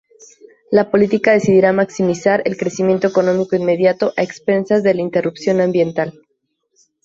La política decidirá maximizar el crecimiento económico inmediato a expensas de la interrupción ambiental.